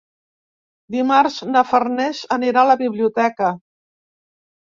Dimarts na Farners anirà a la biblioteca.